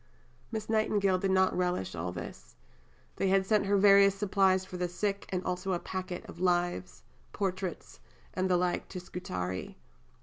Miss Nightingale did not relish all this. They had sent her various supplies for the sick, and also a packet of "Lives," "Portraits," and the like to Scutari.